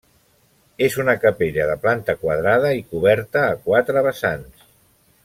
És una capella de planta quadrada i coberta a quatre vessants.